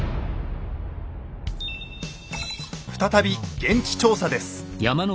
再び現地調査です。